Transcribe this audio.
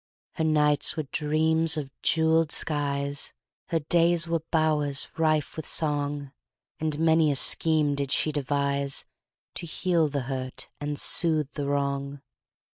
Her nights were dreams of jeweled skies, Her days were bowers rife with song, And many a scheme did she deviseTo heal the hurt and soothe the wrong.